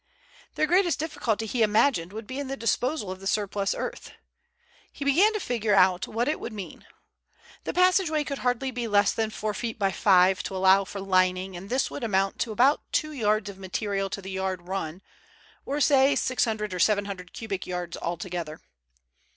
Their greatest difficulty, he imagined, would be in the disposal of the surplus earth. He began to figure out what it would mean. The passageway could hardly be less than four feet by five, to allow for lining, and this would amount to about two yards of material to the yard run, or say six hundred or seven hundred cubic yards altogether.